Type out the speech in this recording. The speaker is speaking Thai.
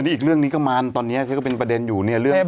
อีกเรื่องนี้ก็มานตอนนี้มาเป็นประเด็นอยู่